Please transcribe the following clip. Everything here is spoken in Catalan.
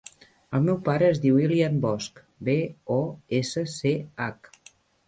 El meu pare es diu Ilyan Bosch: be, o, essa, ce, hac.